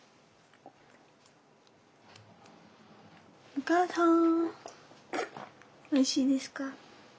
お母さんおいしいですか？